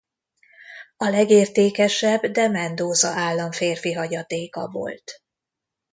A legértékesebb de Mendoza államférfi hagyatéka volt.